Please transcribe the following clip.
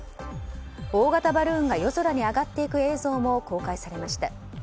大型バルーンが夜空に上がっていく映像も公開されました。